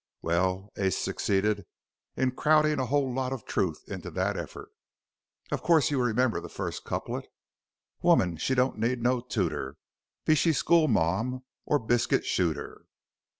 "Well, Ace succeeded in crowding a whole lot of truth into that effort. Of course you remember the first couplet: "'Woman she don't need no tooter, Be she skule ma'am or biscut shooter."'